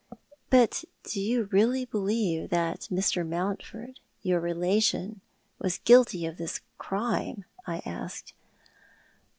"But do you really believe that Mr. Mountford— your relation — was guilty of this crime ?" I asked.